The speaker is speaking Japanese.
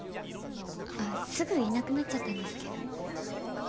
あっすぐいなくなっちゃったんですけど。